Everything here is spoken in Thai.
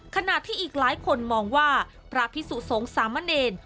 ขณะที่อีกหลายคนมองว่าพระพิสุทธิ์สงสามัญเอน